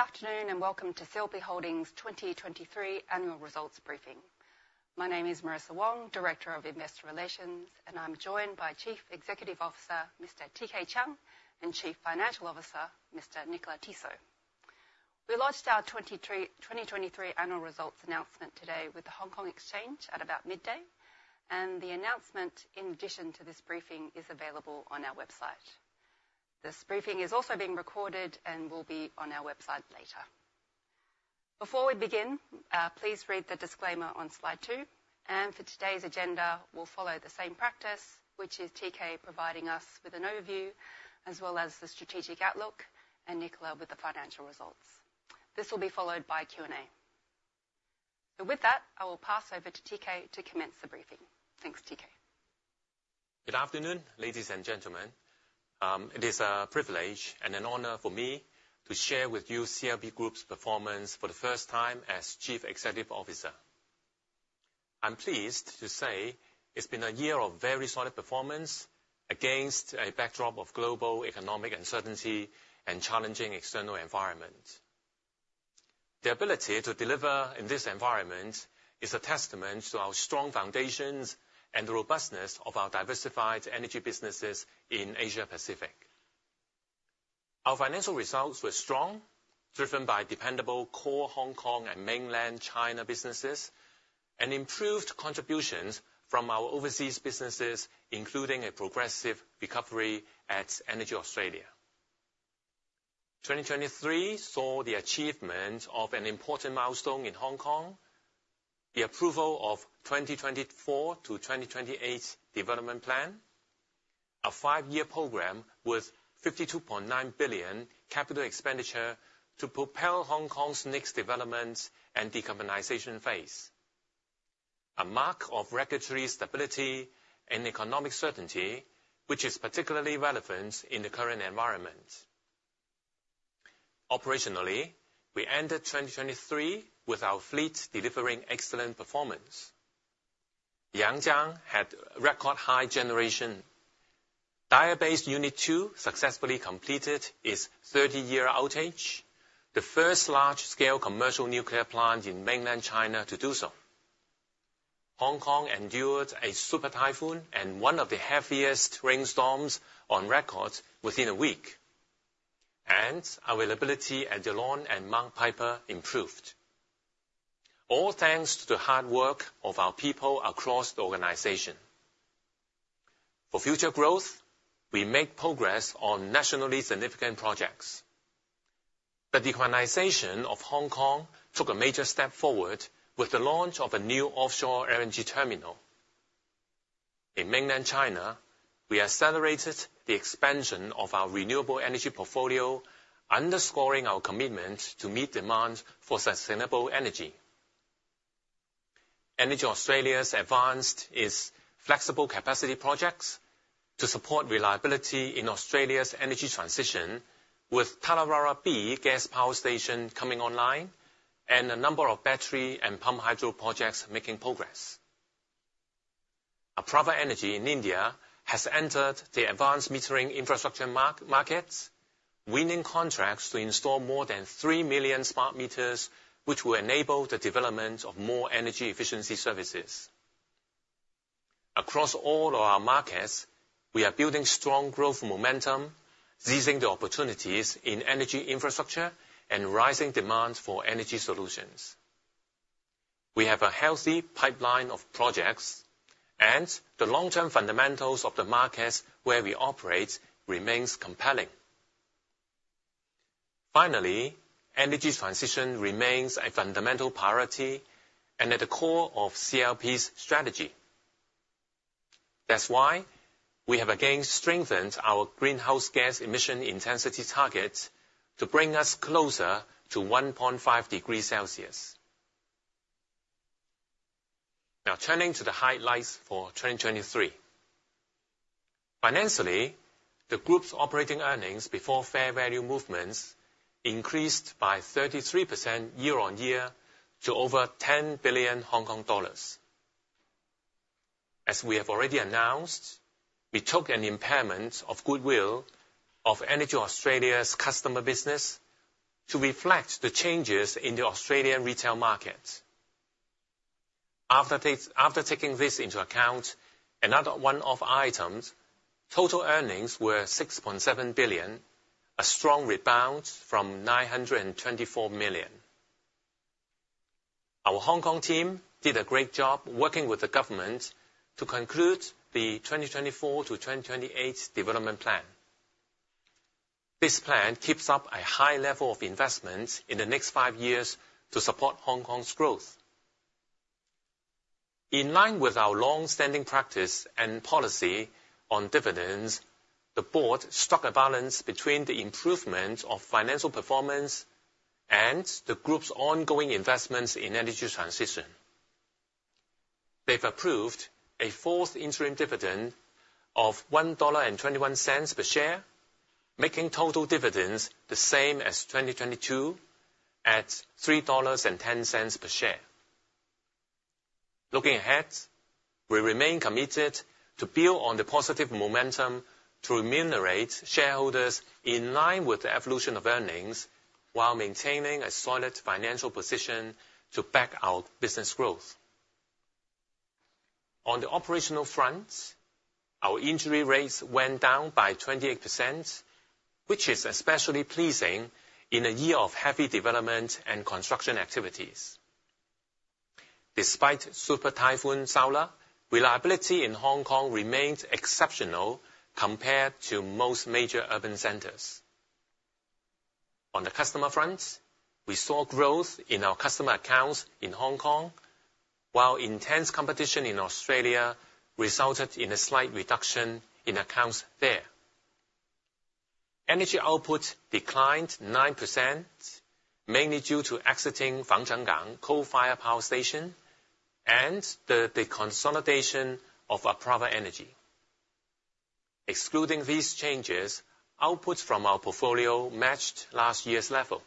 Good afternoon and welcome to CLP Holdings' 2023 Annual Results Briefing. My name is Marissa Wong, Director of Investor Relations, and I'm joined by Chief Executive Officer Mr. T.K. Chiang and Chief Financial Officer Mr. Nicolas Tissot. We launched our 2023 Annual Results announcement today with the Hong Kong Exchange at about midday, and the announcement in addition to this briefing is available on our website. This briefing is also being recorded and will be on our website later. Before we begin, please read the disclaimer on slide two. For today's agenda, we'll follow the same practice, which is T.K. providing us with an overview as well as the strategic outlook and Nicolas with the financial results. This will be followed by Q&A. With that, I will pass over to T.K. to commence the briefing. Thanks, T.K. Good afternoon, ladies and gentlemen. It is a privilege and an honor for me to share with you CLP Group's performance for the first time as Chief Executive Officer. I'm pleased to say it's been a year of very solid performance against a backdrop of global economic uncertainty and challenging external environments. The ability to deliver in this environment is a testament to our strong foundations and the robustness of our diversified energy businesses in Asia-Pacific. Our financial results were strong, driven by dependable core Hong Kong and Mainland China businesses, and improved contributions from our overseas businesses, including a progressive recovery at EnergyAustralia. 2023 saw the achievement of an important milestone in Hong Kong: the approval of the 2024-2028 Development Plan, a five-year program with 52.9 billion capital expenditure to propel Hong Kong's next development and decarbonization phase, a mark of regulatory stability and economic certainty which is particularly relevant in the current environment. Operationally, we ended 2023 with our fleet delivering excellent performance. Yangjiang had record-high generation. Daya Bay Unit Two successfully completed its 30-year outage, the first large-scale commercial nuclear plant in Mainland China to do so. Hong Kong endured a super typhoon and one of the heaviest rainstorms on record within a week, and availability at Yallourn and Mount Piper improved, all thanks to the hard work of our people across the organization. For future growth, we make progress on nationally significant projects. The decarbonization of Hong Kong took a major step forward with the launch of a new offshore LNG terminal. In Mainland China, we accelerated the expansion of our renewable energy portfolio, underscoring our commitment to meet demand for sustainable energy. EnergyAustralia's advanced flexible capacity projects to support reliability in Australia's energy transition, with Tallawarra B gas power station coming online and a number of battery and pumped hydro projects making progress. Apraava Energy in India has entered the advanced metering infrastructure market, winning contracts to install more than 3 million smart meters, which will enable the development of more energy efficiency services. Across all of our markets, we are building strong growth momentum, seizing the opportunities in energy infrastructure and rising demand for energy solutions. We have a healthy pipeline of projects, and the long-term fundamentals of the markets where we operate remain compelling. Finally, energy transition remains a fundamental priority and at the core of CLP's strategy. That's why we have again strengthened our Greenhouse Gas Emission Intensity targets to bring us closer to 1.5 degrees Celsius. Now turning to the highlights for 2023. Financially, the group's Operating Earnings Before Fair Value Movements increased by 33% year-over-year to over HKD 10 billion. As we have already announced, we took an impairment of goodwill of EnergyAustralia's customer business to reflect the changes in the Australian retail market. After taking this into account, another one-off item: total earnings were 6.7 billion, a strong rebound from 924 million. Our Hong Kong team did a great job working with the government to conclude the 2024-2028 Development Plan. This plan keeps up a high level of investment in the next five years to support Hong Kong's growth. In line with our longstanding practice and policy on dividends, the board struck a balance between the improvement of financial performance and the group's ongoing investments in energy transition. They've approved a fourth interim dividend of HKD 1.21 per share, making total dividends the same as 2022 at 3.10 dollars per share. Looking ahead, we remain committed to build on the positive momentum to remunerate shareholders in line with the evolution of earnings while maintaining a solid financial position to back our business growth. On the operational front, our injury rates went down by 28%, which is especially pleasing in a year of heavy development and construction activities. Despite super typhoon Saola, reliability in Hong Kong remained exceptional compared to most major urban centers. On the customer front, we saw growth in our customer accounts in Hong Kong, while intense competition in Australia resulted in a slight reduction in accounts there. Energy output declined 9%, mainly due to exiting Fangchenggang coal-fired power station and the consolidation of Apraava Energy. Excluding these changes, outputs from our portfolio matched last year's level.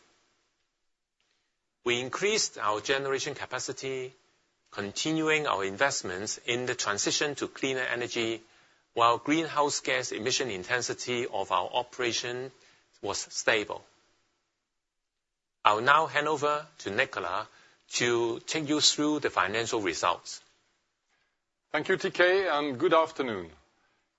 We increased our generation capacity, continuing our investments in the transition to cleaner energy while greenhouse gas emission intensity of our operation was stable. I'll now hand over to Nicolas to take you through the financial results. Thank you, T.k., and good afternoon.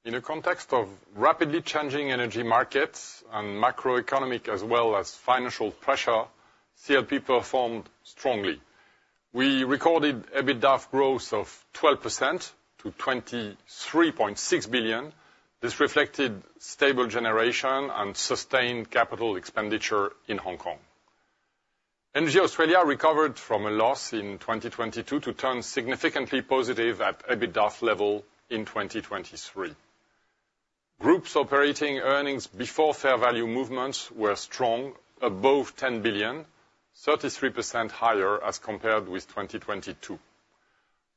In the context of rapidly changing energy markets and macroeconomic as well as financial pressure, CLP performed strongly. We recorded EBITDA growth of 12% to 23.6 billion. This reflected stable generation and sustained capital expenditure in Hong Kong. EnergyAustralia recovered from a loss in 2022 to turn significantly positive at EBITDA level in 2023. Group's operating earnings before fair value movements were strong, above 10 billion, 33% higher as compared with 2022.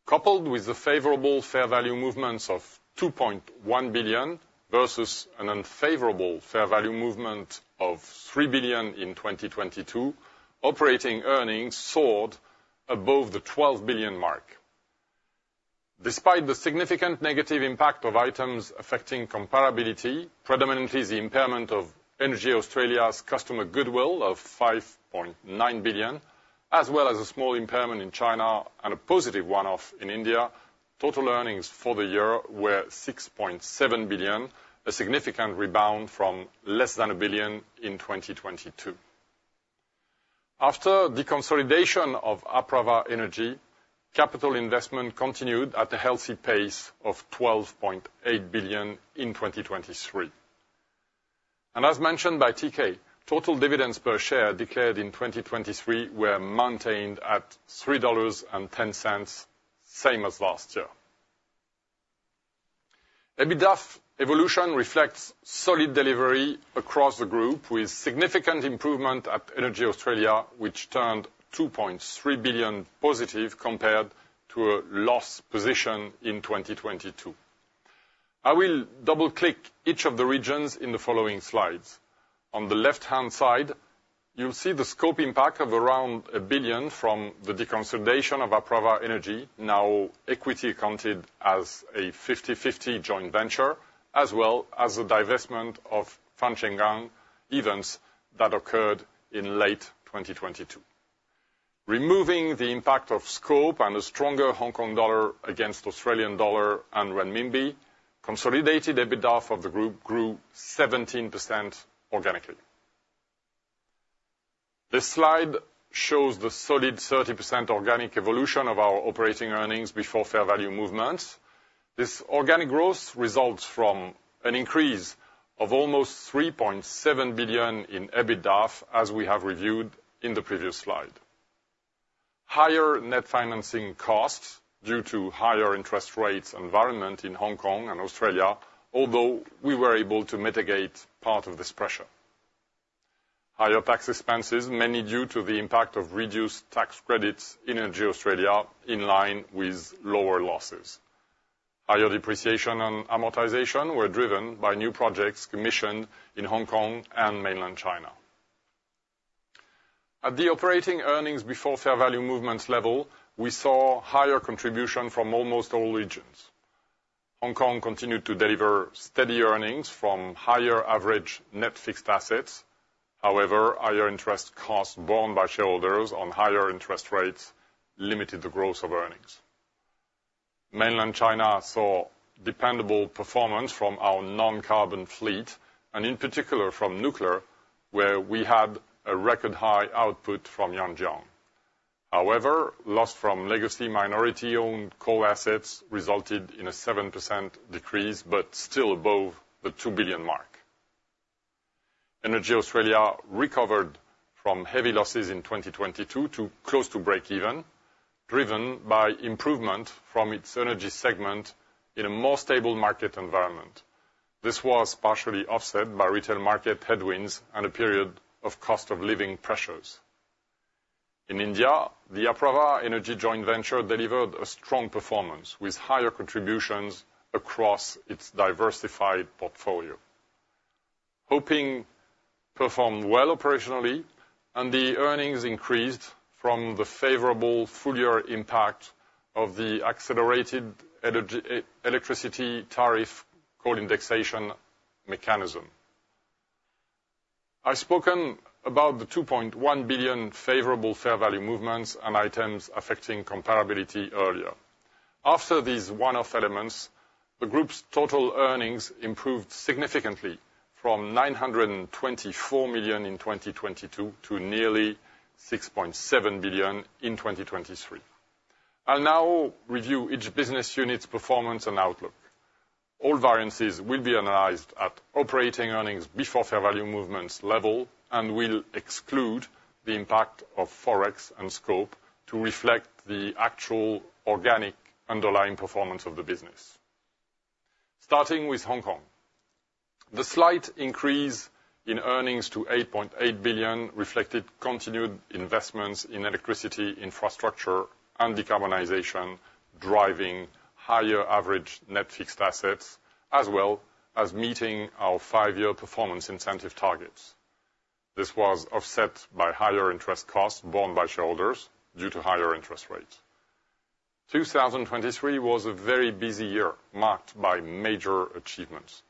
Coupled with the favorable fair value movements of 2.1 billion versus an unfavorable fair value movement of 3 billion in 2022, operating earnings soared above the 12 billion mark. Despite the significant negative impact of items affecting comparability, predominantly the impairment of EnergyAustralia's customer goodwill of 5.9 billion, as well as a small impairment in China and a positive one-off in India, total earnings for the year were 6.7 billion, a significant rebound from less than 1 billion in 2022. After the consolidation of Apraava Energy, capital investment continued at a healthy pace of 12.8 billion in 2023. As mentioned by T.K., total dividends per share declared in 2023 were maintained at 3.10 dollars, same as last year. EBITDA evolution reflects solid delivery across the group, with significant improvement at EnergyAustralia, which turned 2.3 billion positive compared to a loss position in 2022. I will double-click each of the regions in the following slides. On the left-hand side, you'll see the scope impact of around 1 billion from the deconsolidation of Apraava Energy, now equity accounted as a 50/50 joint venture, as well as the divestment of Fangchenggang events that occurred in late 2022. Removing the impact of scope and a stronger HKD against AUD and RMB, consolidated EBITDA of the group grew 17% organically. This slide shows the solid 30% organic evolution of our operating earnings before fair value movements. This organic growth results from an increase of almost 3.7 billion in EBITDA, as we have reviewed in the previous slide. Higher net financing costs due to higher interest rates environment in Hong Kong and Australia, although we were able to mitigate part of this pressure. Higher tax expenses, mainly due to the impact of reduced tax credits in EnergyAustralia, in line with lower losses. Higher depreciation and amortization were driven by new projects commissioned in Hong Kong and Mainland China. At the operating earnings before fair value movements level, we saw higher contribution from almost all regions. Hong Kong continued to deliver steady earnings from higher average net fixed assets. However, higher interest costs borne by shareholders on higher interest rates limited the growth of earnings. Mainland China saw dependable performance from our non-carbon fleet and, in particular, from nuclear, where we had a record high output from Yangjiang. However, loss from legacy minority-owned coal assets resulted in a 7% decrease but still above the 2 billion mark. EnergyAustralia recovered from heavy losses in 2022 to close to break-even, driven by improvement from its energy segment in a more stable market environment. This was partially offset by retail market headwinds and a period of cost of living pressures. In India, the Apraava Energy joint venture delivered a strong performance with higher contributions across its diversified portfolio. Apraava performed well operationally, and the earnings increased from the favorable full-year impact of the accelerated electricity tariff coal indexation mechanism. I've spoken about the 2.1 billion favorable fair value movements and items affecting comparability earlier. After these one-off elements, the group's total earnings improved significantly from 924 million in 2022 to nearly 6.7 billion in 2023. I'll now review each business unit's performance and outlook. All variances will be analyzed at operating earnings before fair value movements level and will exclude the impact of Forex and scope to reflect the actual organic underlying performance of the business. Starting with Hong Kong. The slight increase in earnings to 8.8 billion reflected continued investments in electricity infrastructure and decarbonization, driving higher average net fixed assets, as well as meeting our five-year performance incentive targets. This was offset by higher interest costs borne by shareholders due to higher interest rates. 2023 was a very busy year marked by major achievements.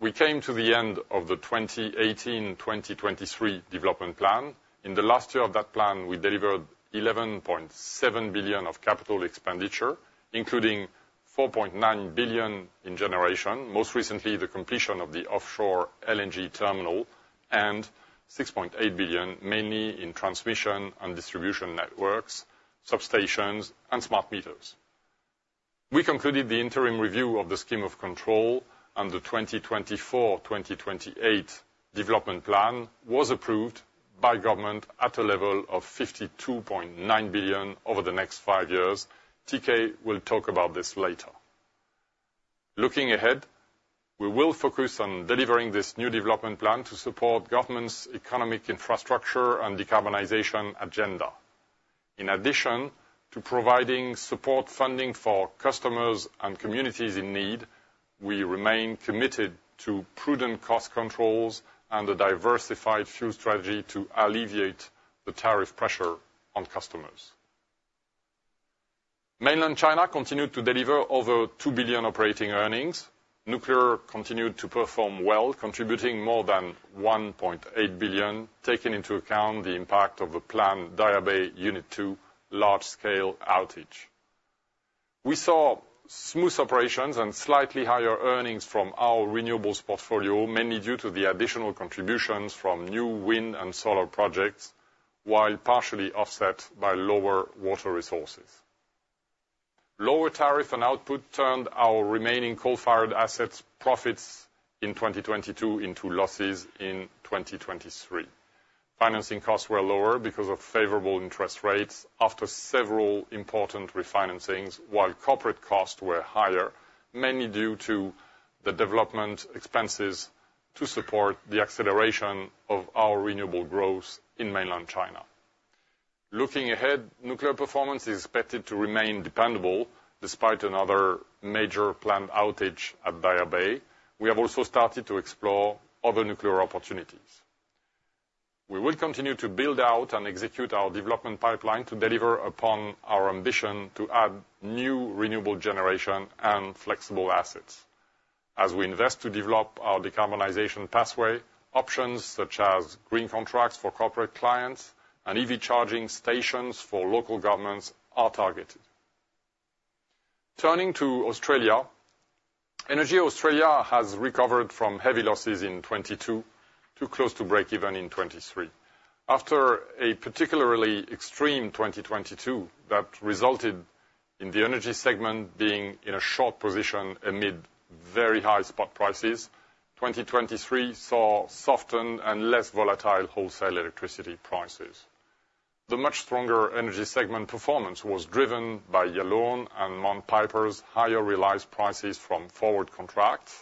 We came to the end of the 2018-2023 Development Plan. In the last year of that plan, we delivered 11.7 billion of capital expenditure, including 4.9 billion in generation, most recently the completion of the offshore LNG terminal, and 6.8 billion, mainly in transmission and distribution networks, substations, and smart meters. We concluded the interim review of the Scheme of Control, and the 2024-2028 Development Plan was approved by government at a level of 52.9 billion over the next five years. T.K. will talk about this later. Looking ahead, we will focus on delivering this new Development Plan to support government's economic infrastructure and decarbonization agenda. In addition to providing support funding for customers and communities in need, we remain committed to prudent cost controls and a diversified fuel strategy to alleviate the tariff pressure on customers. Mainland China continued to deliver over 2 billion operating earnings. Nuclear continued to perform well, contributing more than 1.8 billion, taking into account the impact of the planned Daya Bay Unit 2 large-scale outage. We saw smooth operations and slightly higher earnings from our renewables portfolio, mainly due to the additional contributions from new wind and solar projects, while partially offset by lower water resources. Lower tariff and output turned our remaining coal-fired assets' profits in 2022 into losses in 2023. Financing costs were lower because of favorable interest rates after several important refinancings, while corporate costs were higher, mainly due to the development expenses to support the acceleration of our renewable growth in Mainland China. Looking ahead, nuclear performance is expected to remain dependable despite another major planned outage at Daya Bay. We have also started to explore other nuclear opportunities. We will continue to build out and execute our development pipeline to deliver upon our ambition to add new renewable generation and flexible assets. As we invest to develop our decarbonization pathway, options such as green contracts for corporate clients and EV charging stations for local governments are targeted. Turning to Australia. EnergyAustralia has recovered from heavy losses in 2022 to close to break-even in 2023. After a particularly extreme 2022 that resulted in the energy segment being in a short position amid very high spot prices, 2023 saw softened and less volatile wholesale electricity prices. The much stronger energy segment performance was driven by Yallourn and Mount Piper's higher realised prices from forward contracts,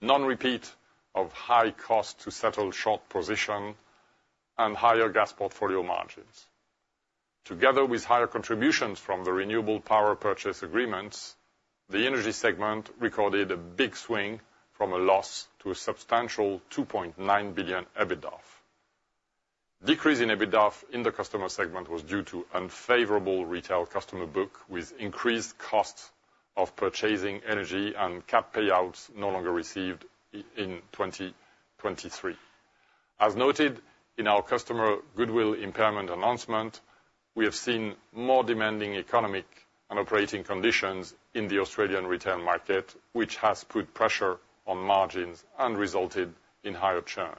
non-repeat of high cost to settle short position, and higher gas portfolio margins. Together with higher contributions from the renewable power purchase agreements, the energy segment recorded a big swing from a loss to a substantial 2.9 billion EBITDA. Decrease in EBITDA in the customer segment was due to unfavorable retail customer book with increased costs of purchasing energy and cap payouts no longer received in 2023. As noted in our customer goodwill impairment announcement, we have seen more demanding economic and operating conditions in the Australian retail market, which has put pressure on margins and resulted in higher churn.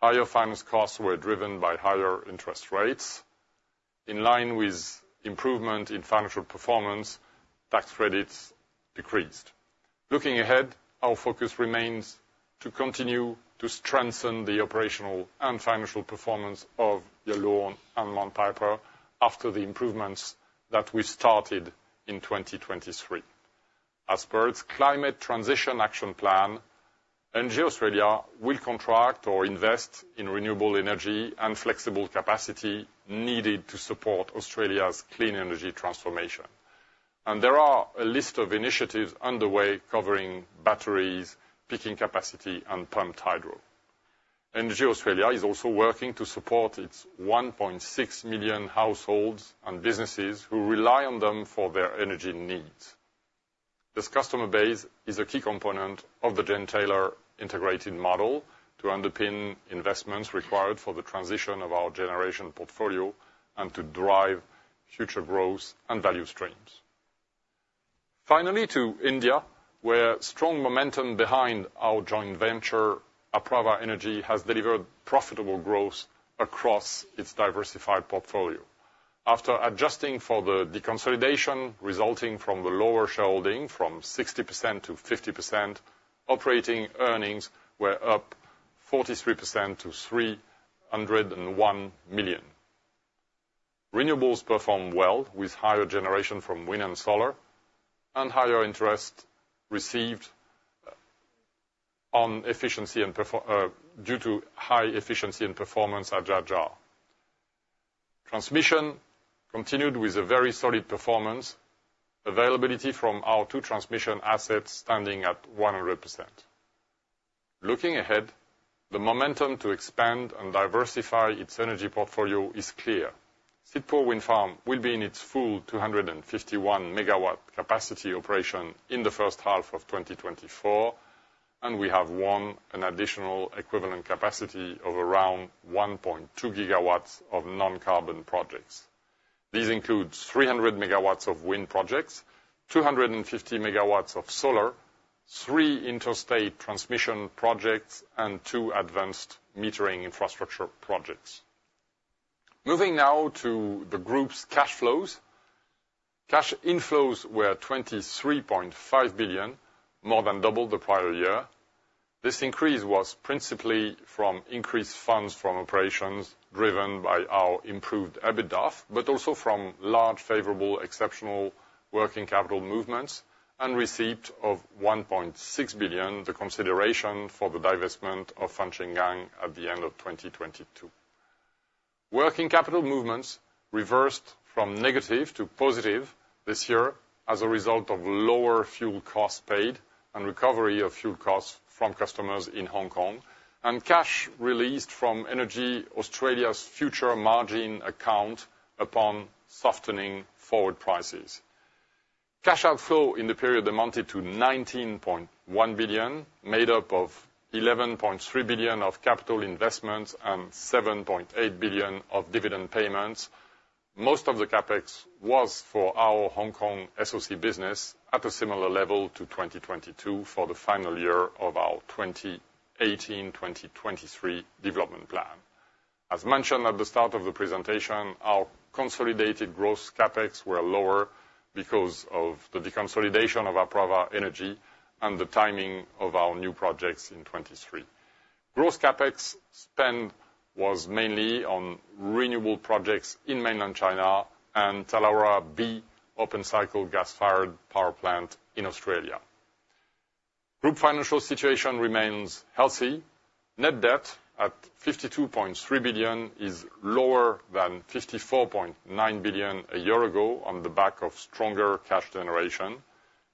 Higher finance costs were driven by higher interest rates. In line with improvement in financial performance, tax credits decreased. Looking ahead, our focus remains to continue to strengthen the operational and financial performance of Yallourn and Mount Piper after the improvements that we started in 2023. As per its Climate Transition Action Plan, EnergyAustralia will contract or invest in renewable energy and flexible capacity needed to support Australia's clean energy transformation. And there are a list of initiatives underway covering batteries, peaking capacity, and pumped hydro. EnergyAustralia is also working to support its 1.6 million households and businesses who rely on them for their energy needs. This customer base is a key component of the Gentailer integrated model to underpin investments required for the transition of our generation portfolio and to drive future growth and value streams. Finally, to India, where strong momentum behind our joint venture, Apraava Energy, has delivered profitable growth across its diversified portfolio. After adjusting for the deconsolidation resulting from the lower shareholding from 60% to 50%, operating earnings were up 43% to 301 million. Renewables performed well with higher generation from wind and solar and higher interest received due to high efficiency and performance at Jhajjar. Transmission continued with a very solid performance, availability from our two transmission assets standing at 100%. Looking ahead, the momentum to expand and diversify its energy portfolio is clear. Sidhpur Wind Farm will be in its full 251 MW capacity operation in the first half of 2024, and we have won an additional equivalent capacity of around 1.2 GW of non-carbon projects. These include 300 MW of wind projects, 250 MW of solar, three interstate transmission projects, and two advanced metering infrastructure projects. Moving now to the group's cash flows. Cash inflows were 23.5 billion, more than double the prior year. This increase was principally from increased funds from operations driven by our improved EBITDA, but also from large favorable exceptional working capital movements and received of 1.6 billion the consideration for the divestment of Fangchenggang at the end of 2022. Working capital movements reversed from negative to positive this year as a result of lower fuel costs paid and recovery of fuel costs from customers in Hong Kong, and cash released from EnergyAustralia's future margin account upon softening forward prices. Cash outflow in the period amounted to 19.1 billion, made up of 11.3 billion of capital investments and 7.8 billion of dividend payments. Most of the CapEx was for our Hong Kong SOC business at a similar level to 2022 for the final year of our 2018-2023 Development Plan. As mentioned at the start of the presentation, our consolidated gross CapEx were lower because of the deconsolidation of Apraava Energy and the timing of our new projects in 2023. Gross CapEx spend was mainly on renewable projects in Mainland China and Tallawarra B open-cycle gas-fired power plant in Australia. Group financial situation remains healthy. Net debt at 52.3 billion is lower than 54.9 billion a year ago on the back of stronger cash generation.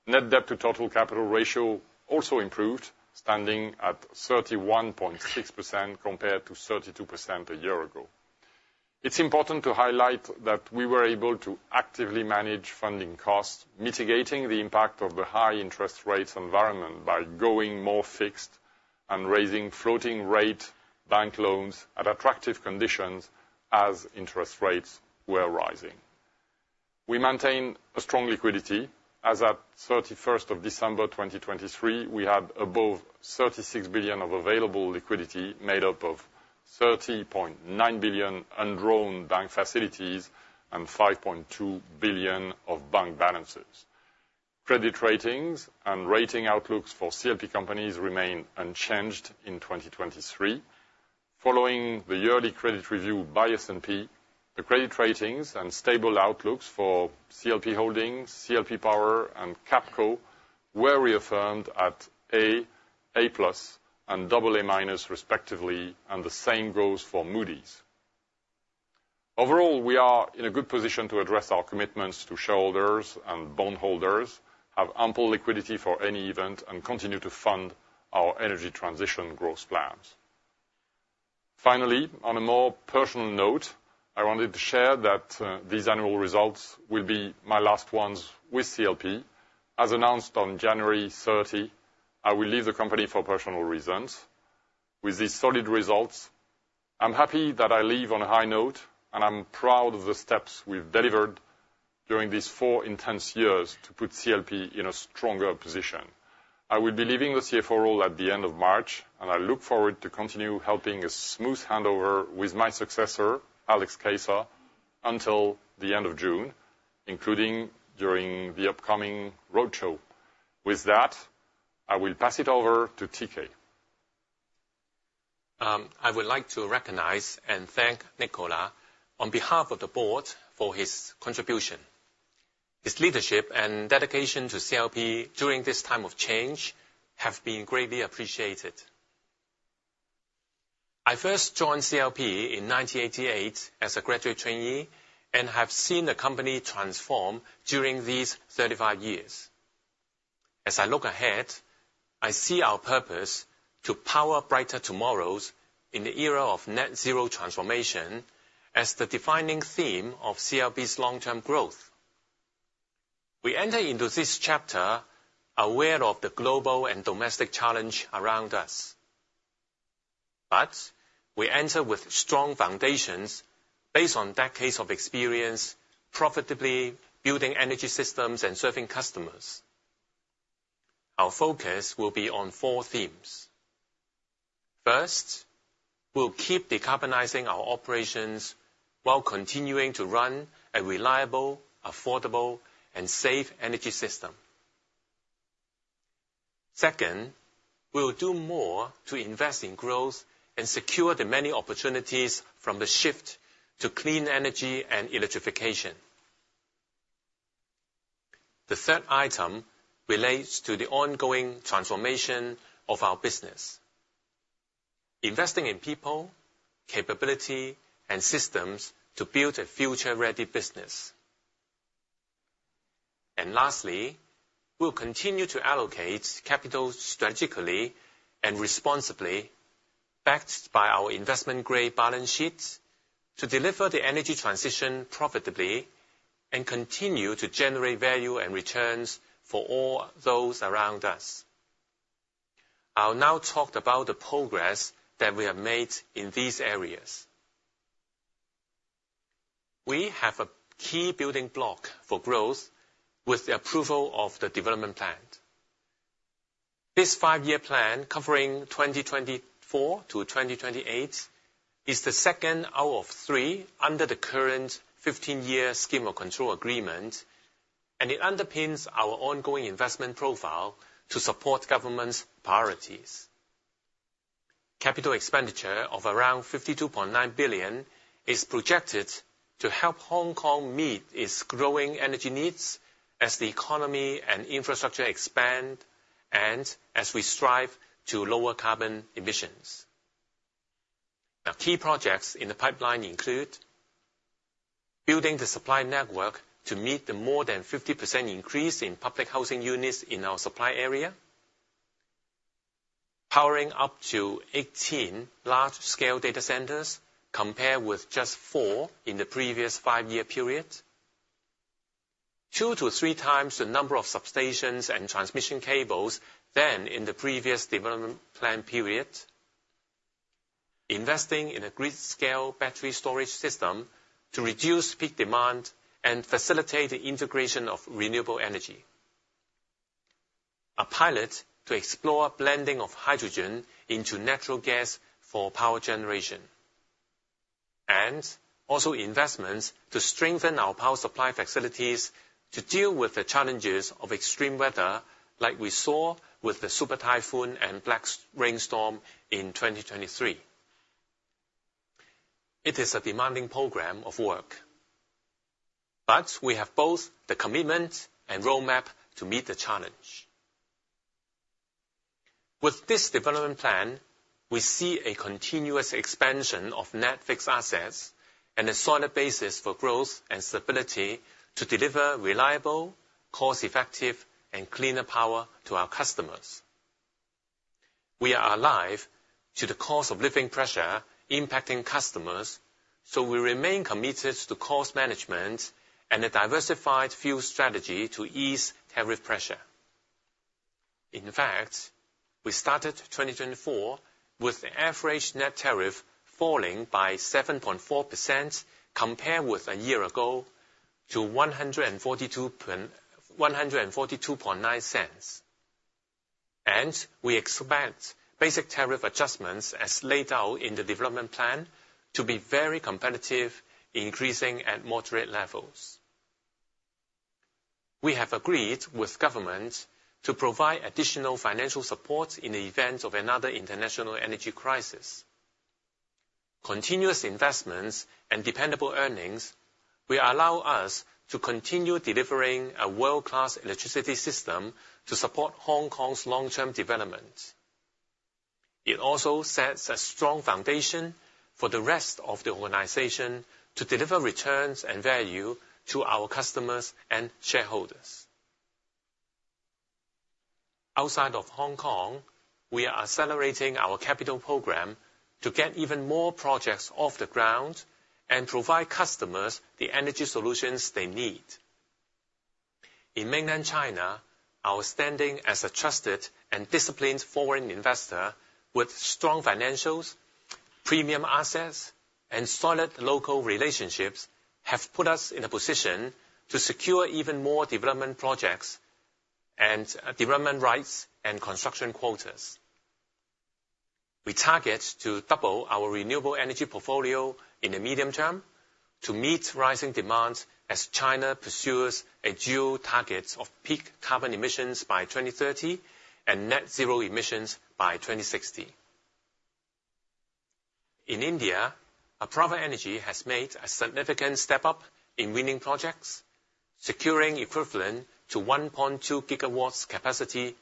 Net debt to total capital ratio also improved, standing at 31.6% compared to 32% a year ago. It's important to highlight that we were able to actively manage funding costs, mitigating the impact of the high interest rates environment by going more fixed and raising floating-rate bank loans at attractive conditions as interest rates were rising. We maintain a strong liquidity as, at 31st December 2023, we had above 36 billion of available liquidity made up of 30.9 billion undrawn bank facilities and 5.2 billion of bank balances. Credit ratings and rating outlooks for CLP companies remain unchanged in 2023. Following the yearly credit review by S&P, the credit ratings and stable outlooks for CLP Holdings, CLP Power, and Capco were reaffirmed at A, A+, and AA- respectively, and the same goes for Moody's. Overall, we are in a good position to address our commitments to shareholders and bondholders, have ample liquidity for any event, and continue to fund our energy transition growth plans. Finally, on a more personal note, I wanted to share that these annual results will be my last ones with CLP. As announced on January 30, I will leave the company for personal reasons. With these solid results, I'm happy that I leave on a high note, and I'm proud of the steps we've delivered during these four intense years to put CLP in a stronger position. I will be leaving the CFO role at the end of March, and I look forward to continuing helping a smooth handover with my successor, Alexandre Keisser, until the end of June, including during the upcoming roadshow. With that, I will pass it over to T.K. I would like to recognize and thank Nicolas on behalf of the board for his contribution. His leadership and dedication to CLP during this time of change have been greatly appreciated. I first joined CLP in 1988 as a graduate trainee and have seen the company transform during these 35 years. As I look ahead, I see our purpose to power brighter tomorrows in the era of net-zero transformation as the defining theme of CLP's long-term growth. We enter into this chapter aware of the global and domestic challenge around us. We enter with strong foundations based on decades of experience profitably building energy systems and serving customers. Our focus will be on four themes. First, we'll keep decarbonizing our operations while continuing to run a reliable, affordable, and safe energy system. Second, we'll do more to invest in growth and secure the many opportunities from the shift to clean energy and electrification. The third item relates to the ongoing transformation of our business. Investing in people, capability, and systems to build a future-ready business. And lastly, we'll continue to allocate capital strategically and responsibly, backed by our investment-grade balance sheets, to deliver the energy transition profitably and continue to generate value and returns for all those around us. I'll now talk about the progress that we have made in these areas. We have a key building block for growth with the approval of the Development Plan. This 5-year plan covering 2024 to 2028 is the second out of 3 under the current 15-year Scheme of Control Agreement, and it underpins our ongoing investment profile to support government's priorities. Capital expenditure of around 52.9 billion is projected to help Hong Kong meet its growing energy needs as the economy and infrastructure expand and as we strive to lower carbon emissions. Key projects in the pipeline include: building the supply network to meet the more than 50% increase in public housing units in our supply area. Powering up to 18 large-scale data centers, compared with just four in the previous five-year period. Two to three times the number of substations and transmission cables than in the previous Development Plan period. Investing in a grid-scale battery storage system to reduce peak demand and facilitate the integration of renewable energy. A pilot to explore blending of hydrogen into natural gas for power generation. And also investments to strengthen our power supply facilities to deal with the challenges of extreme weather like we saw with the super typhoon and black rainstorm in 2023. It is a demanding program of work. We have both the commitment and roadmap to meet the challenge. With this Development Plan, we see a continuous expansion of Net Fixed Assets and a solid basis for growth and stability to deliver reliable, cost-effective, and cleaner power to our customers. We are alive to the cost of living pressure impacting customers, so we remain committed to cost management and a diversified fuel strategy to ease tariff pressure. In fact, we started 2024 with the average net tariff falling by 7.4% compared with a year ago to 1.429. We expect basic tariff adjustments, as laid out in the Development Plan, to be very competitive, increasing at moderate levels. We have agreed with government to provide additional financial support in the event of another international energy crisis. Continuous investments and dependable earnings will allow us to continue delivering a world-class electricity system to support Hong Kong's long-term development. It also sets a strong foundation for the rest of the organization to deliver returns and value to our customers and shareholders. Outside of Hong Kong, we are accelerating our capital program to get even more projects off the ground and provide customers the energy solutions they need. In Mainland China, our standing as a trusted and disciplined foreign investor with strong financials, premium assets, and solid local relationships have put us in a position to secure even more development projects and development rights and construction quotas. We target to double our renewable energy portfolio in the medium term to meet rising demand as China pursues a dual target of peak carbon emissions by 2030 and net-zero emissions by 2060. In India, Apraava Energy has made a significant step up in winning projects, securing equivalent to 1.2 GW capacity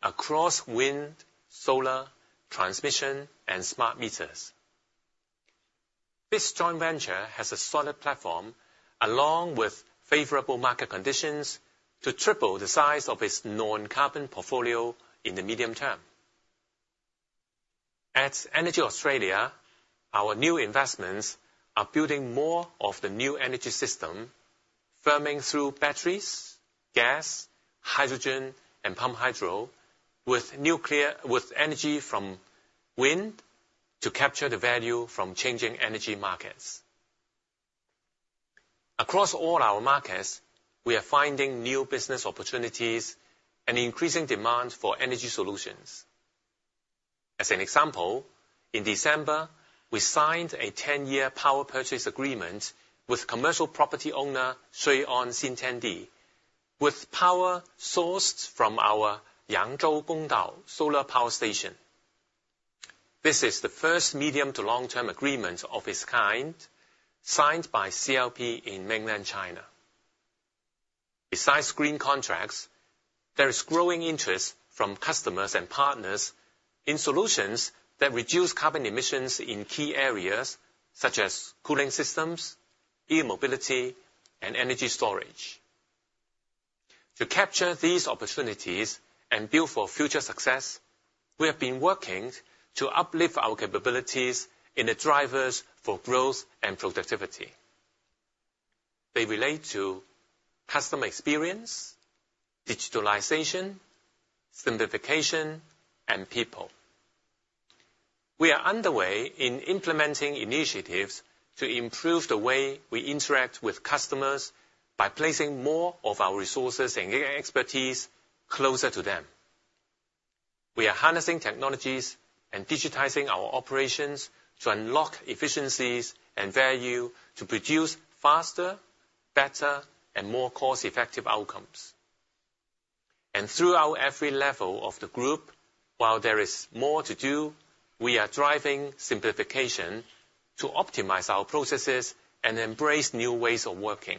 across wind, solar, transmission, and smart meters. This joint venture has a solid platform, along with favorable market conditions, to triple the size of its non-carbon portfolio in the medium term. At EnergyAustralia, our new investments are building more of the new energy system, firming through batteries, gas, hydrogen, and pumped hydro with energy from wind to capture the value from changing energy markets. Across all our markets, we are finding new business opportunities and increasing demand for energy solutions. As an example, in December, we signed a 10-year power purchase agreement with commercial property owner Shui On Xintiandi, with power sourced from our Yangzhou Gongdao Solar Power Station. This is the first medium-to-long-term agreement of its kind signed by CLP in Mainland China. Besides green contracts, there is growing interest from customers and partners in solutions that reduce carbon emissions in key areas such as cooling systems, e-mobility, and energy storage. To capture these opportunities and build for future success, we have been working to uplift our capabilities in the drivers for growth and productivity. They relate to: customer experience, digitalization, simplification, and people. We are underway in implementing initiatives to improve the way we interact with customers by placing more of our resources and expertise closer to them. We are harnessing technologies and digitizing our operations to unlock efficiencies and value to produce faster, better, and more cost-effective outcomes. And throughout every level of the group, while there is more to do, we are driving simplification to optimize our processes and embrace new ways of working.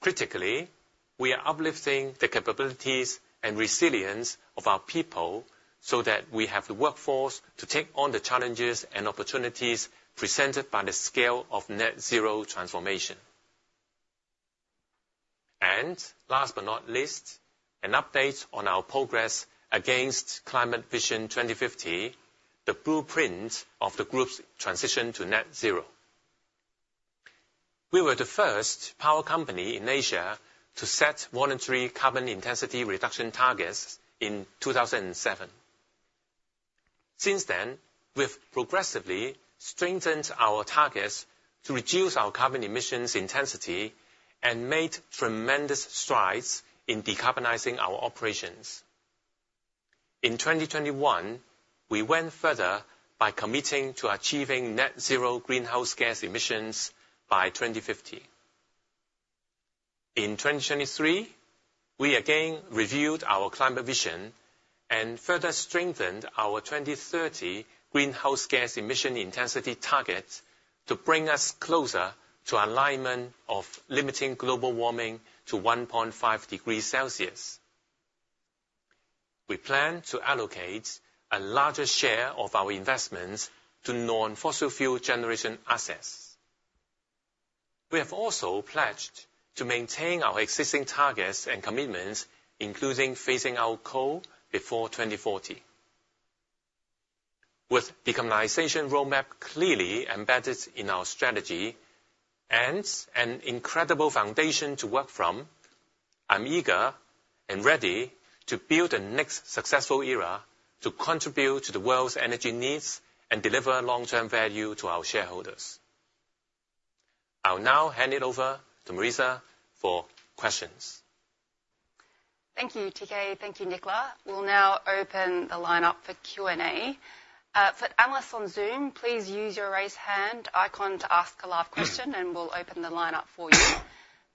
Critically, we are uplifting the capabilities and resilience of our people so that we have the workforce to take on the challenges and opportunities presented by the scale of net-zero transformation. Last but not least, an update on our progress against Climate Vision 2050, the blueprint of the group's transition to net-zero. We were the first power company in Asia to set monetary carbon intensity reduction targets in 2007. Since then, we have progressively strengthened our targets to reduce our carbon emissions intensity and made tremendous strides in decarbonizing our operations. In 2021, we went further by committing to achieving net-zero greenhouse gas emissions by 2050. In 2023, we again reviewed our climate vision and further strengthened our 2030 greenhouse gas emission intensity targets to bring us closer to alignment of limiting global warming to 1.5 degrees Celsius. We plan to allocate a larger share of our investments to non-fossil fuel generation assets. We have also pledged to maintain our existing targets and commitments, including phasing out coal before 2040. With decarbonization roadmap clearly embedded in our strategy and an incredible foundation to work from, I'm eager and ready to build the next successful era to contribute to the world's energy needs and deliver long-term value to our shareholders. I'll now hand it over to Marissa for questions. Thank you, T.K. Thank you, Nicolas. We'll now open the line up for Q&A. For analysts on Zoom, please use your raise-hand icon to ask a live question, and we'll open the line up for you.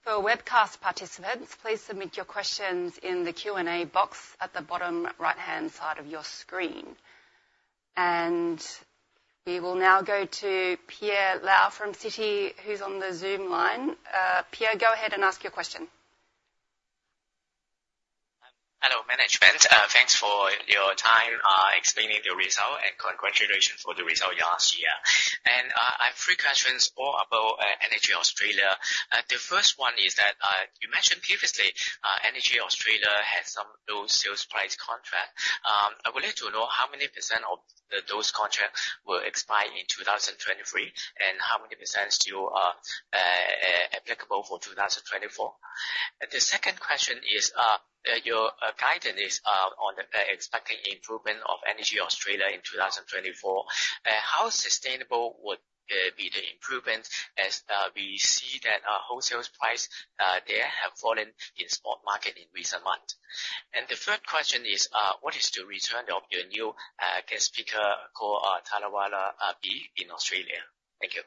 For webcast participants, please submit your questions in the Q&A box at the bottom right-hand side of your screen. We will now go to Pierre Lau from Citi, who's on the Zoom line. Pierre, go ahead and ask your question. Hello, management. Thanks for your time explaining the result, and congratulations for the result last year. I have three questions all about EnergyAustralia. The first one is that you mentioned previously EnergyAustralia has some low sales price contract. I would like to know how many % of those contracts will expire in 2023, and how many % still are applicable for 2024? The second question is, your guidance is on expecting improvement of EnergyAustralia in 2024. How sustainable would be the improvement as we see that wholesale prices there have fallen in the spot market in recent months? And the third question is, what is the return of your new gas-fired power, Tallawarra B, in Australia? Thank you.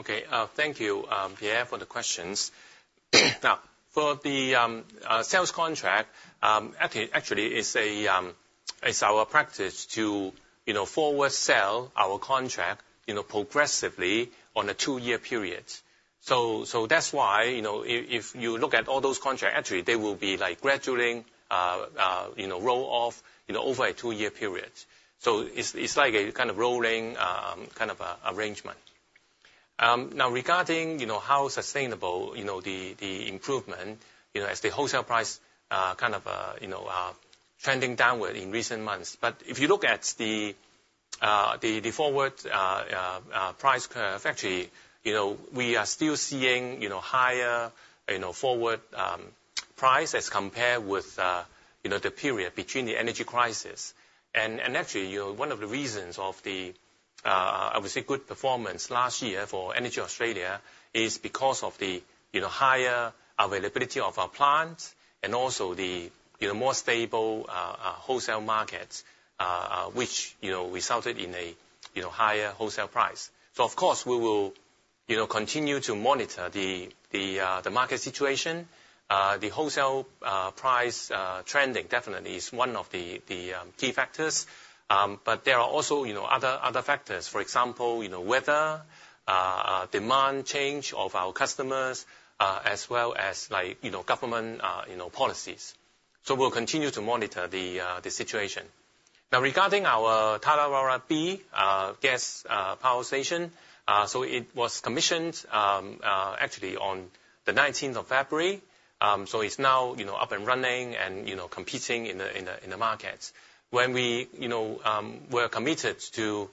Okay. Thank you, Pierre, for the questions. Now, for the sales contract, actually, it's our practice to forward sell our contract progressively on a two-year period. So that's why if you look at all those contracts, actually, they will be gradually rolled off over a two-year period. So it's like a kind of rolling kind of arrangement. Now, regarding how sustainable the improvement as the wholesale price kind of trending downward in recent months. But if you look at the forward price curve, actually, we are still seeing higher forward price as compared with the period between the energy crisis. And actually, one of the reasons of the, I would say, good performance last year for EnergyAustralia is because of the higher availability of our plants and also the more stable wholesale markets, which resulted in a higher wholesale price. So, of course, we will continue to monitor the market situation. The wholesale price trending definitely is one of the key factors. But there are also other factors, for example, weather, demand change of our customers, as well as government policies. So we'll continue to monitor the situation. Now, regarding our Tallawarra B gas power station, so it was commissioned actually on the 19th of February. So it's now up and running and competing in the markets. When we were committed to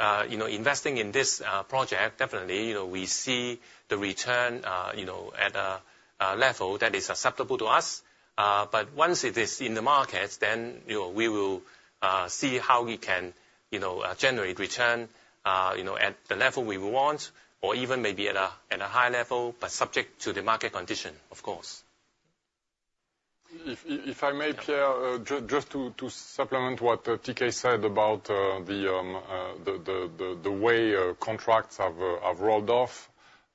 investing in this project, definitely, we see the return at a level that is acceptable to us. But once it is in the markets, then we will see how we can generate return at the level we want, or even maybe at a higher level, but subject to the market condition, of course. If I may, Pierre, just to supplement what T.K. said about the way contracts have rolled off,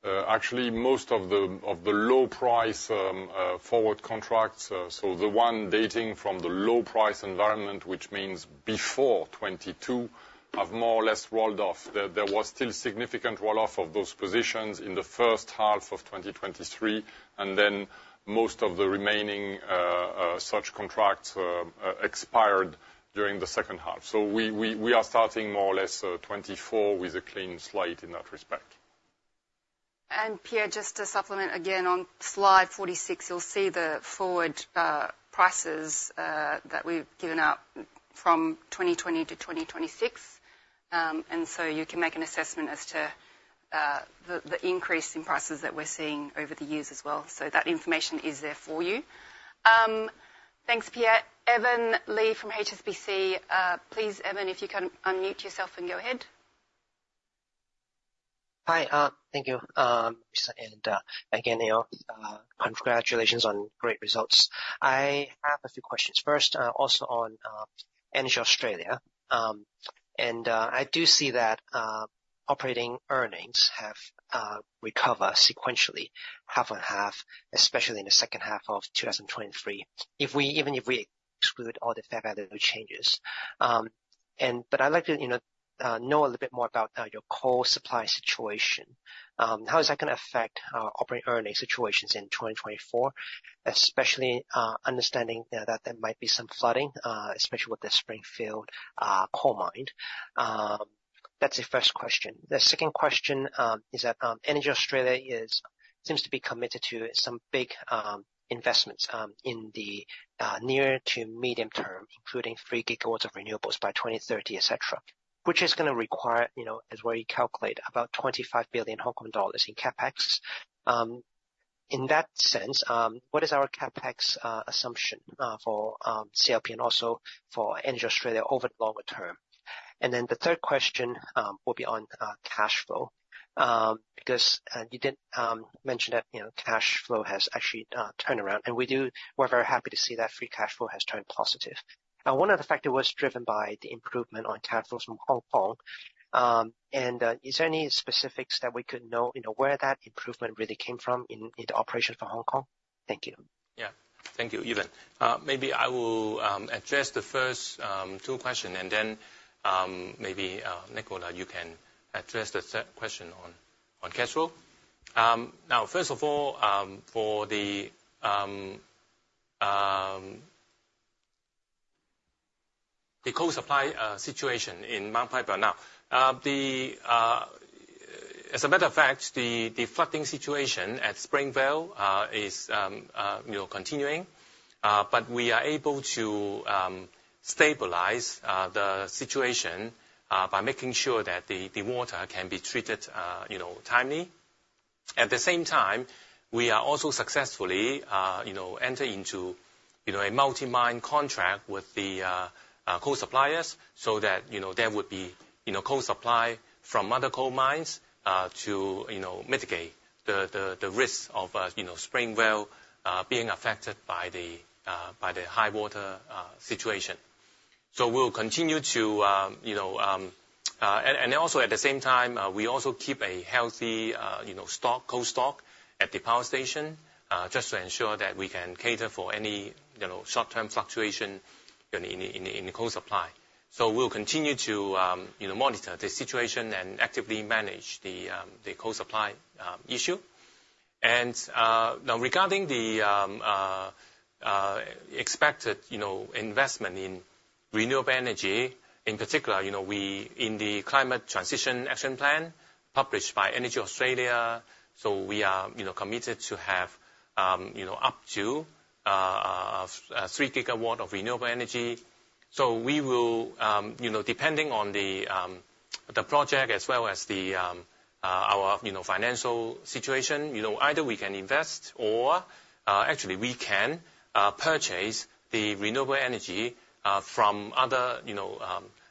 actually, most of the low-price forward contracts, so the one dating from the low-price environment, which means before 2022, have more or less rolled off. There was still significant roll-off of those positions in the first half of 2023, and then most of the remaining such contracts expired during the second half. So we are starting more or less 2024 with a clean slate in that respect. Pierre, just to supplement again, on slide 46, you'll see the forward prices that we've given out from 2020 to 2026. And so you can make an assessment as to the increase in prices that we're seeing over the years as well. So that information is there for you. Thanks, Pierre. Evan Li from HSBC, please, Evan, if you can unmute yourself and go ahead. Hi. Thank you, Marissa. And again, congratulations on great results. I have a few questions. First, also on EnergyAustralia. And I do see that operating earnings have recovered sequentially, half and half, especially in the second half of 2023, even if we exclude all the fair value changes. But I'd like to know a little bit more about your coal supply situation. How is that going to affect our operating earnings situations in 2024, especially understanding that there might be some flooding, especially with the Springfield coal mine? That's the first question. The second question is that EnergyAustralia seems to be committed to some big investments in the near to medium term, including 3 GW of renewables by 2030, etc., which is going to require, as we calculate, about 25 billion Hong Kong dollars in CapEx. In that sense, what is our CapEx assumption for CLP and also for EnergyAustralia over the longer term? And then the third question will be on cash flow, because you did mention that cash flow has actually turned around. And we're very happy to see that free cash flow has turned positive. And one of the factors was driven by the improvement on cash flows from Hong Kong. And is there any specifics that we could know where that improvement really came from in the operations for Hong Kong? Thank you. Yeah. Thank you, Evan. Maybe I will address the first two questions, and then maybe Nicolas, you can address the third question on cash flow. Now, first of all, for the coal supply situation in Mount Piper now, as a matter of fact, the flooding situation at Springvale is continuing. But we are able to stabilize the situation by making sure that the water can be treated timely. At the same time, we are also successfully entering into a multi-mine contract with the coal suppliers so that there would be coal supply from other coal mines to mitigate the risk of Springvale being affected by the high-water situation. So we'll continue to and also, at the same time, we also keep a healthy coal stock at the power station just to ensure that we can cater for any short-term fluctuation in coal supply. We'll continue to monitor the situation and actively manage the coal supply issue. Now, regarding the expected investment in renewable energy, in particular, in the Climate Transition Action Plan published by EnergyAustralia, we are committed to have up to 3 gigawatts of renewable energy. We will, depending on the project as well as our financial situation, either we can invest or actually, we can purchase the renewable energy from other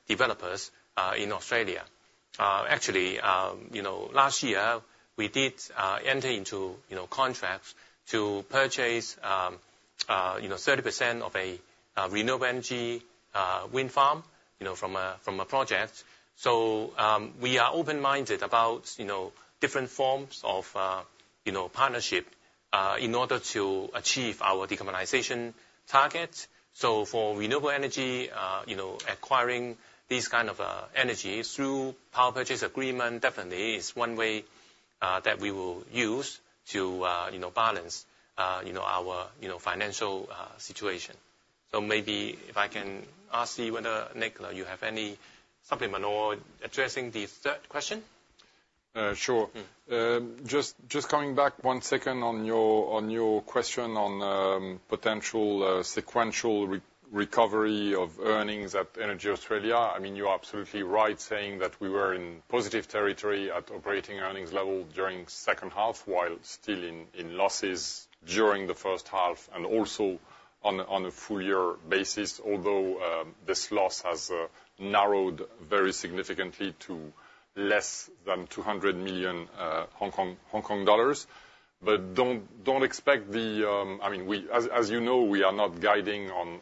developers in Australia. Actually, last year, we did enter into contracts to purchase 30% of a renewable energy wind farm from a project. We are open-minded about different forms of partnership in order to achieve our decarbonization targets. For renewable energy, acquiring these kind of energy through power purchase agreement definitely is one way that we will use to balance our financial situation. So maybe if I can ask you whether, Nicolas, you have any supplement or addressing the third question? Sure. Just coming back one second on your question on potential sequential recovery of earnings at EnergyAustralia. I mean, you are absolutely right saying that we were in positive territory at operating earnings level during the second half while still in losses during the first half and also on a full-year basis, although this loss has narrowed very significantly to less than 200 million Hong Kong. But don't expect the, I mean, as you know, we are not guiding on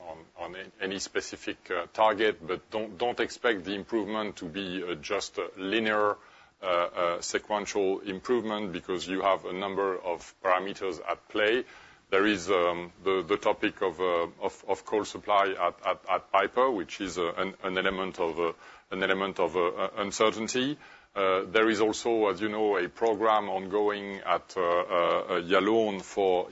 any specific target, but don't expect the improvement to be just a linear sequential improvement because you have a number of parameters at play. There is the topic of coal supply at Mount Piper, which is an element of uncertainty. There is also, as you know, a program ongoing at Yallourn for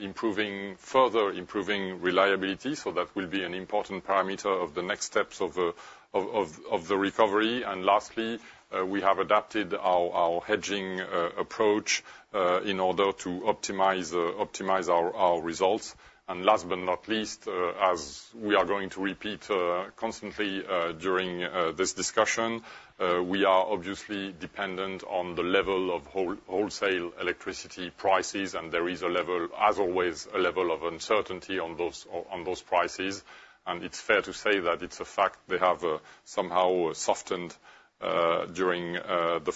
further improving reliability. So that will be an important parameter of the next steps of the recovery. And lastly, we have adapted our hedging approach in order to optimize our results. Last but not least, as we are going to repeat constantly during this discussion, we are obviously dependent on the level of wholesale electricity prices. There is, as always, a level of uncertainty on those prices. It's fair to say that it's a fact they have somehow softened during the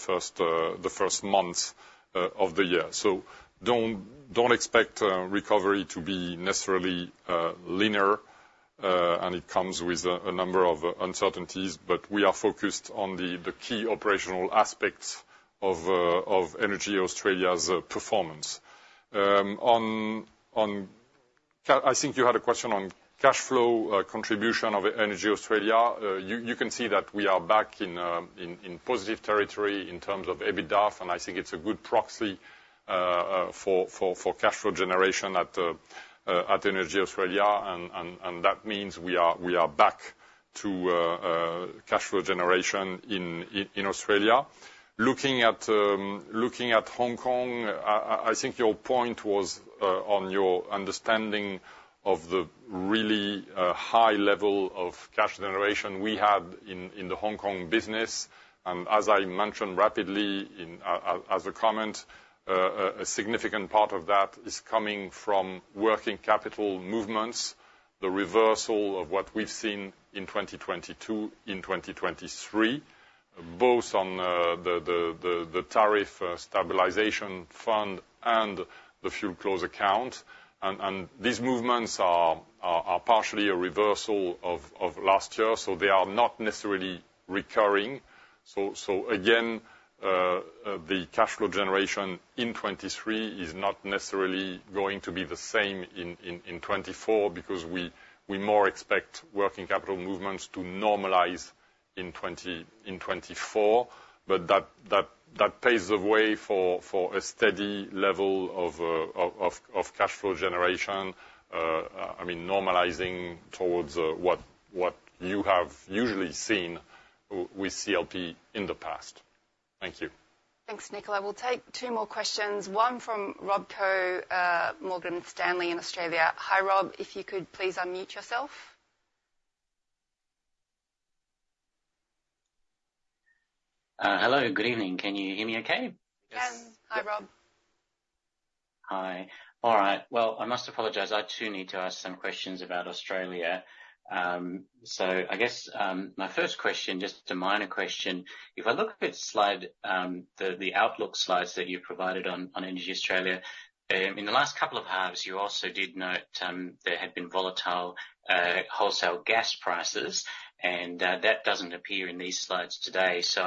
first months of the year. Don't expect recovery to be necessarily linear, and it comes with a number of uncertainties. But we are focused on the key operational aspects of EnergyAustralia's performance. I think you had a question on cash flow contribution of EnergyAustralia. You can see that we are back in positive territory in terms of EBITDA. I think it's a good proxy for cash flow generation at EnergyAustralia. That means we are back to cash flow generation in Australia. Looking at Hong Kong, I think your point was on your understanding of the really high level of cash generation we had in the Hong Kong business. As I mentioned earlier as a comment, a significant part of that is coming from working capital movements, the reversal of what we've seen in 2022, in 2023, both on the Tariff Stabilization Fund and the Fuel Clause Account. These movements are partially a reversal of last year. They are not necessarily recurring. Again, the cash flow generation in 2023 is not necessarily going to be the same in 2024 because we more expect working capital movements to normalize in 2024. But that paves the way for a steady level of cash flow generation, I mean, normalizing towards what you have usually seen with CLP in the past. Thank you. Thanks, Nicolas. We'll take two more questions, one from Rob Koh, Morgan Stanley in Australia. Hi, Rob. If you could please unmute yourself. Hello. Good evening. Can you hear me okay? Yes. Hi, Rob. Hi. All right. Well, I must apologize. I too need to ask some questions about Australia. So I guess my first question, just a minor question, if I look at the Outlook slides that you provided on EnergyAustralia, in the last couple of halves, you also did note there had been volatile wholesale gas prices. And that doesn't appear in these slides today. So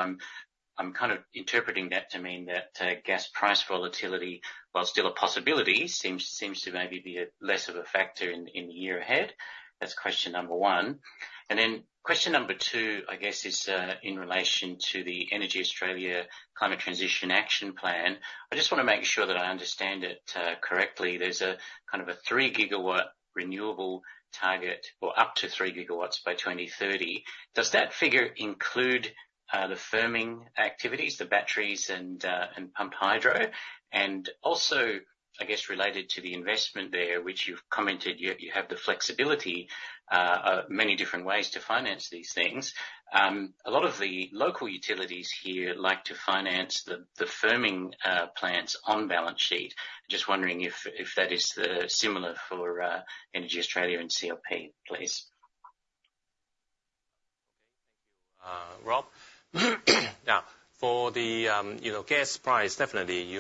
I'm kind of interpreting that to mean that gas price volatility, while still a possibility, seems to maybe be less of a factor in the year ahead. That's question number one. And then question number two, I guess, is in relation to the EnergyAustralia Climate Transition Action Plan. I just want to make sure that I understand it correctly. There's kind of a 3 GW renewable target or up to 3 GW by 2030. Does that figure include the firming activities, the batteries and pumped hydro? And also, I guess, related to the investment there, which you've commented you have the flexibility, many different ways to finance these things. A lot of the local utilities here like to finance the firming plants on balance sheet. Just wondering if that is similar for EnergyAustralia and CLP, please. Okay. Thank you, Rob. Now, for the gas price, definitely,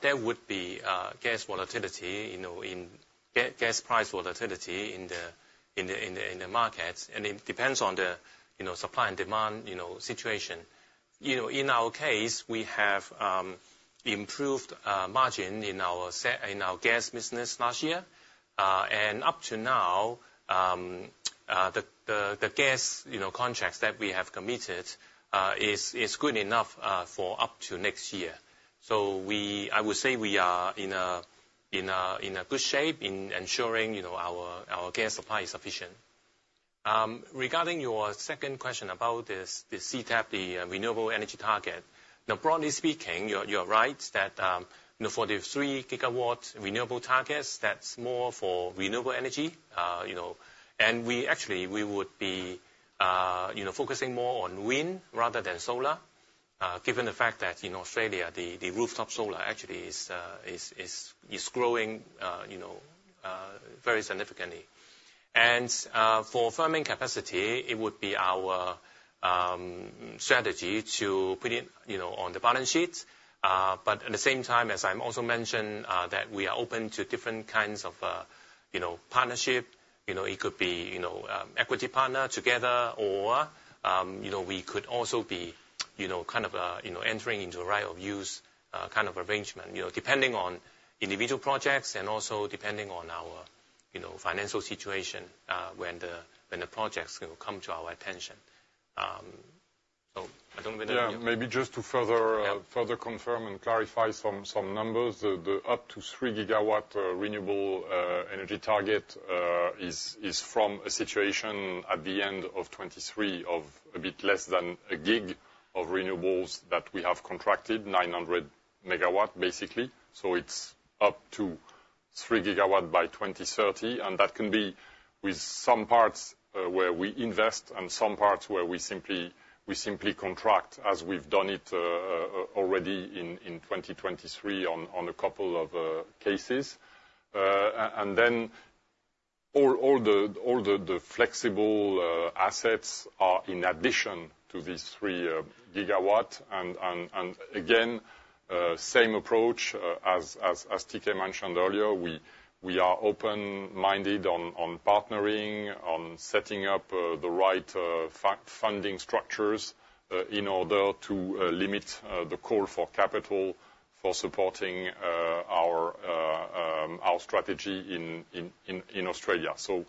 there would be gas volatility, gas price volatility in the markets. It depends on the supply and demand situation. In our case, we have improved margin in our gas business last year. Up to now, the gas contracts that we have committed is good enough for up to next year. I would say we are in a good shape in ensuring our gas supply is sufficient. Regarding your second question about the CTAP, the renewable energy target, now, broadly speaking, you are right that for the 3-gigawatt renewable targets, that's more for renewable energy. Actually, we would be focusing more on wind rather than solar, given the fact that in Australia, the rooftop solar actually is growing very significantly. For firming capacity, it would be our strategy to put it on the balance sheet. But at the same time, as I've also mentioned, that we are open to different kinds of partnership. It could be equity partner together, or we could also be kind of entering into a right-of-use kind of arrangement, depending on individual projects and also depending on our financial situation when the projects come to our attention. So I don't know whether you. Yeah. Maybe just to further confirm and clarify some numbers, the up to 3 GW renewable energy target is from a situation at the end of 2023 of a bit less than 1 GW of renewables that we have contracted, 900 MW, basically. So it's up to 3 GW by 2030. That can be with some parts where we invest and some parts where we simply contract, as we've done it already in 2023 on a couple of cases. Then all the flexible assets are in addition to these 3 GW. And again, same approach as T.K. mentioned earlier. We are open-minded on partnering, on setting up the right funding structures in order to limit the call for capital for supporting our strategy in Australia. So,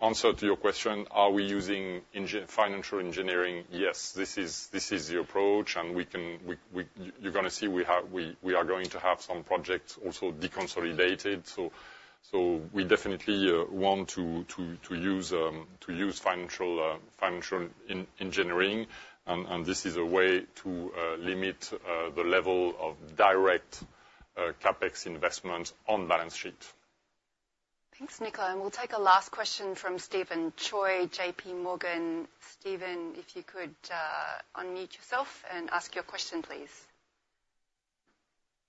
answer to your question, are we using financial engineering? Yes, this is the approach. You're going to see we are going to have some projects also deconsolidated. We definitely want to use financial engineering. This is a way to limit the level of direct CapEx investment on balance sheet. Thanks, Nicolas. We'll take a last question from Stephen Tsui, JP Morgan. Stephen, if you could unmute yourself and ask your question, please.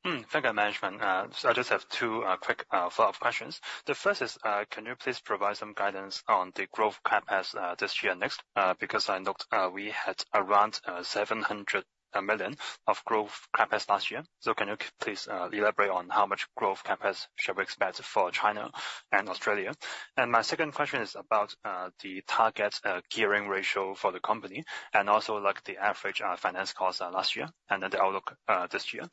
Thank you, management. So I just have two quick follow-up questions. The first is, can you please provide some guidance on the growth CapEx this year and next? Because I note we had around 700 million of growth CapEx last year. So can you please elaborate on how much growth CapEx shall we expect for China and Australia? And my second question is about the target gearing ratio for the company and also the average finance cost last year and then the outlook this year.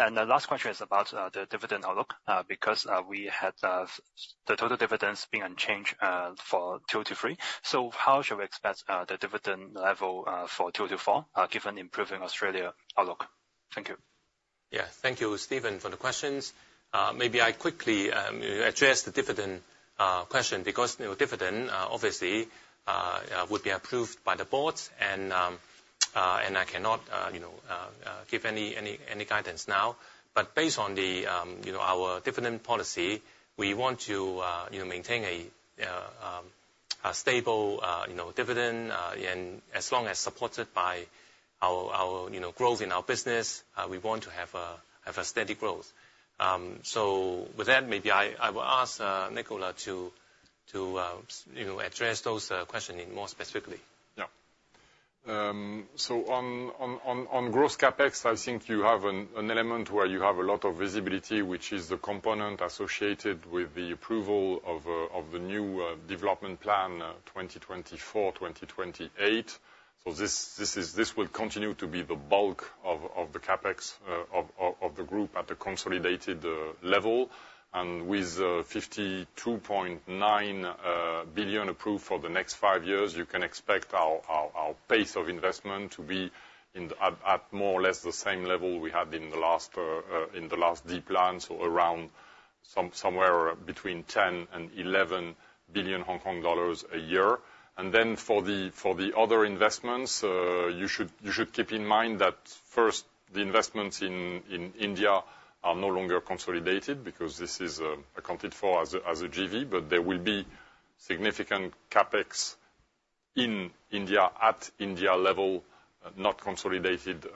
And the last question is about the dividend outlook because we had the total dividends being unchanged for 2023. So how shall we expect the dividend level for 2024 given improving Australia outlook? Thank you. Yeah. Thank you, Stephen, for the questions. Maybe I quickly address the dividend question because dividend, obviously, would be approved by the boards. And I cannot give any guidance now. But based on our dividend policy, we want to maintain a stable dividend. And as long as supported by our growth in our business, we want to have a steady growth. So with that, maybe I will ask Nicolas to address those questions more specifically. Yeah. So on growth CapEx, I think you have an element where you have a lot of visibility, which is the component associated with the approval of the new Development Plan (2024-2028). So this will continue to be the bulk of the CapEx of the group at the consolidated level. And with 52.9 billion approved for the next five years, you can expect our pace of investment to be at more or less the same level we had in the last D Plan, so around somewhere between 10 billion and 11 billion Hong Kong dollars a year. And then for the other investments, you should keep in mind that, first, the investments in India are no longer consolidated because this is accounted for as a JV. But there will be significant CapEx in India at India level, not consolidated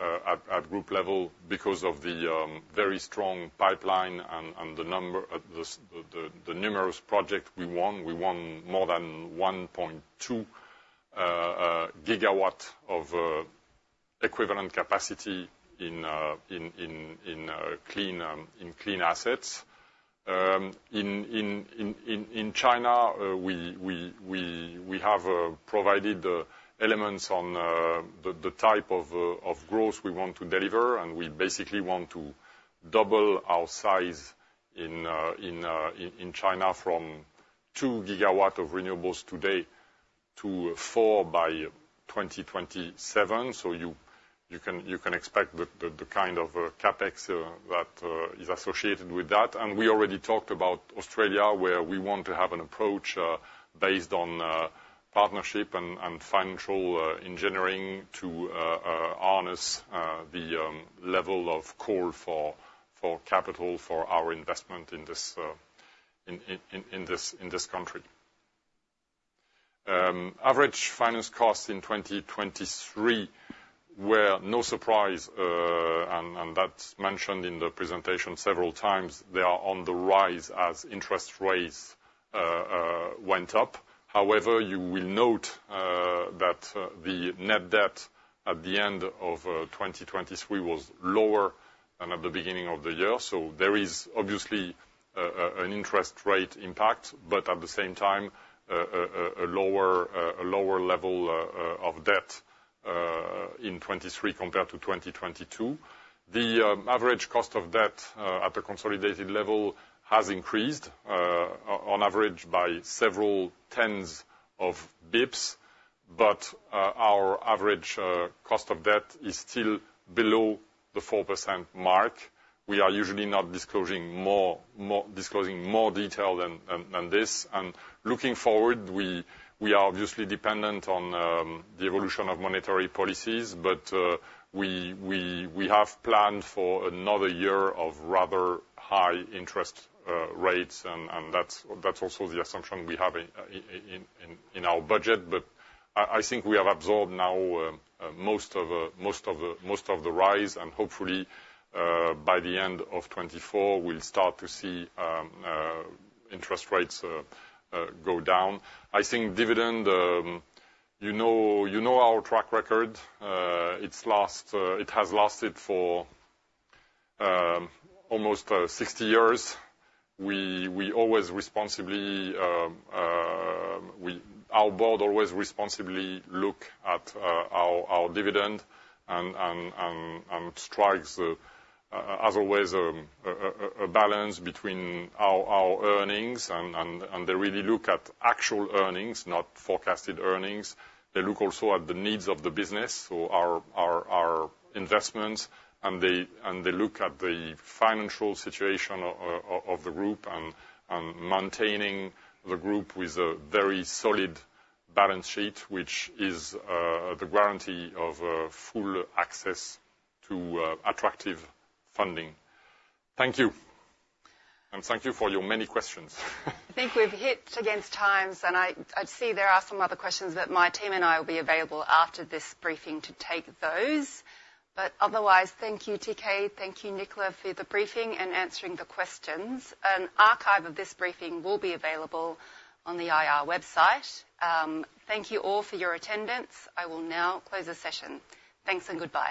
at group level because of the very strong pipeline and the numerous projects we won. We won more than 1.2 gigawatt of equivalent capacity in clean assets. In China, we have provided elements on the type of growth we want to deliver. And we basically want to double our size in China from 2 gigawatt of renewables today to 4 by 2027. So you can expect the kind of CapEx that is associated with that. And we already talked about Australia, where we want to have an approach based on partnership and financial engineering to harness the level of call for capital for our investment in this country. Average finance costs in 2023 were, no surprise, and that's mentioned in the presentation several times, they are on the rise as interest rates went up. However, you will note that the net debt at the end of 2023 was lower than at the beginning of the year. So there is obviously an interest rate impact, but at the same time, a lower level of debt in 2023 compared to 2022. The average cost of debt at the consolidated level has increased, on average, by several tens of bps. But our average cost of debt is still below the 4% mark. We are usually not disclosing more detail than this. And looking forward, we are obviously dependent on the evolution of monetary policies. But we have planned for another year of rather high interest rates. And that's also the assumption we have in our budget. But I think we have absorbed now most of the rise. And hopefully, by the end of 2024, we'll start to see interest rates go down. I think dividend, you know our track record. It has lasted for almost 60 years. Our board always responsibly looks at our dividend and strikes, as always, a balance between our earnings. They really look at actual earnings, not forecasted earnings. They look also at the needs of the business, so our investments. They look at the financial situation of the group and maintaining the group with a very solid balance sheet, which is the guarantee of full access to attractive funding. Thank you. And thank you for your many questions. I think we've hit against times. I see there are some other questions that my team and I will be available after this briefing to take those. Otherwise, thank you, T.K. Thank you, Nicolas, for the briefing and answering the questions. An archive of this briefing will be available on the IR website. Thank you all for your attendance. I will now close the session. Thanks and goodbye.